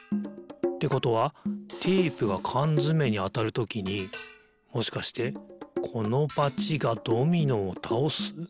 ってことはテープがかんづめにあたるときにもしかしてこのバチがドミノをたおす？